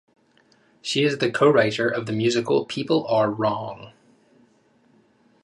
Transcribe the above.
She is the co-writer of the musical People Are Wrong!